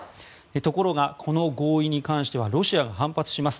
ところが、この合意に関してはロシアが反発します。